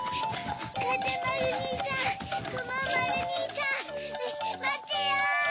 かぜまるにいさんくもまるにいさんまってよ！